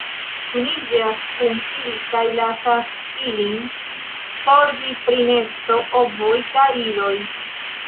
Kuniĝas kun ili kaj lasas ilin zorgi pri nesto, ovoj kaj idoj.